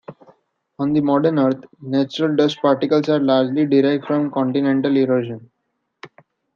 On the modern Earth, natural dust particles are largely derived from continental erosion.